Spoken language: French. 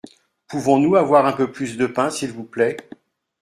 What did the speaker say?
Pouvons-nous avoir un peu plus de pain s’il vous plait ?